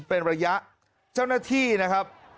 เป็นระยะเจ้าหน้าที่นะครับ